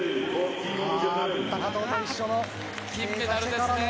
高藤と一緒の金メダルですね。